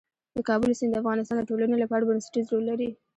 د کابل سیند د افغانستان د ټولنې لپاره بنسټيز رول لري.